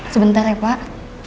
sebentar ya pak